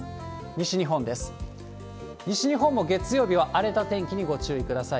西日本も月曜日は荒れた天気にご注意ください。